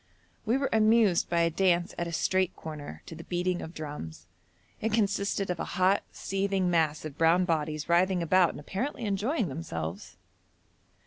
We were amused by a dance at a street corner to the beating of drums. It consisted of a hot, seething mass of brown bodies writhing about and apparently enjoying themselves.